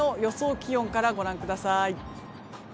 気温からご覧ください。